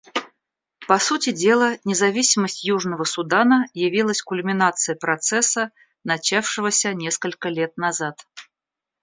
По сути дела, независимость Южного Судана явилась кульминацией процесса, начавшегося несколько лет назад.